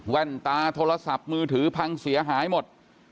ตาโทรศัพท์มือถือพังเสียหายหมด